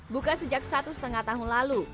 buka sejak satu setengah tahun lalu